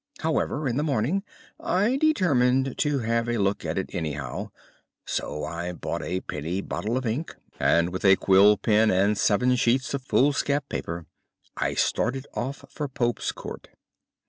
However, in the morning I determined to have a look at it anyhow, so I bought a penny bottle of ink, and with a quill pen, and seven sheets of foolscap paper, I started off for Pope's Court.